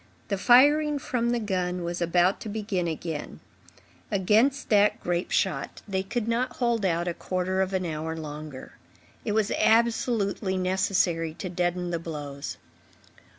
The firing from the gun was about to begin again. Against that grape shot, they could not hold out a quarter of an hour longer. It was absolutely necessary to deaden the blows.